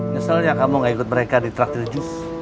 nyeselnya kamu gak ikut mereka di traktir jus